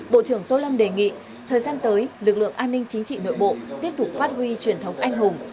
bộ trưởng tô lâm đề nghị thời gian tới lực lượng an ninh chính trị nội bộ tiếp tục phát huy truyền thống anh hùng